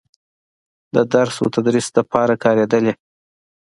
د درس و تدريس دپاره کارېدلې